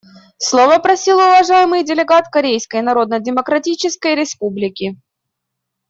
Слова просил уважаемый делегат Корейской Народно-Демократической Республики.